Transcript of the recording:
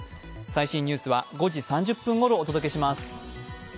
最新ニュースは５時３０分ごろお届けします。